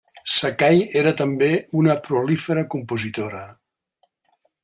Sakai era també una prolífera compositora.